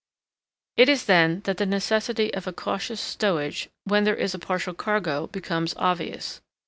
It is then that the necessity of a cautious stowage, when there is a partial cargo, becomes obvious.